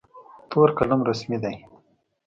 تور قلم رسمي دی.